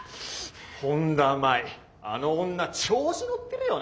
本田麻衣あの女調子乗ってるよな。